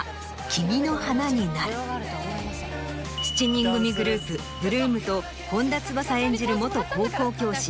７人組グループ「８ＬＯＯＭ」と本田翼演じる元高校教師